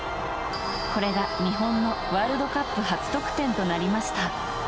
これが日本のワールドカップ初得点となりました。